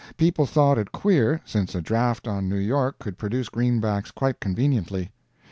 People thought it queer, since a draft on New York could produce greenbacks quite conveniently.